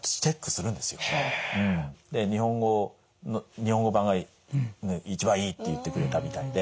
日本語版が一番いいって言ってくれたみたいで。